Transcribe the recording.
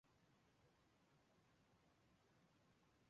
万历三十六年由知县陈一元主持重建。